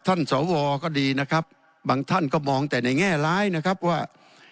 สวก็ดีนะครับบางท่านก็มองแต่ในแง่ร้ายนะครับว่า